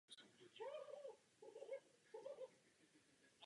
Je proto velmi důležité podporovat udržitelný ekonomický růst.